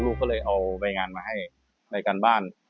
ลูกก็เลยเอาใบงานมาให้รายการบ้าน